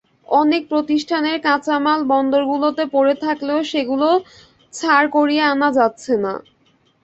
অনেক প্রতিষ্ঠানের কাঁচামাল বন্দরগুলোতে পড়ে থাকলেও সেগুলো ছাড় করিয়ে আনা যাচ্ছে না।